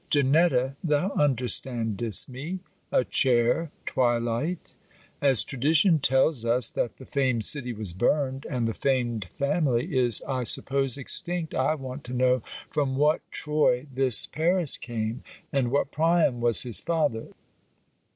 Janetta, thou understandest me. A chair Twilight . As tradition tells us that the famed city was burned, and the famed family is I suppose extinct, I want to know from what Troy this Paris came, and what Priam was his father.